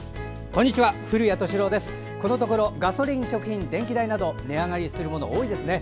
このところガソリン食品、電気代など値上がりするものが多いですね。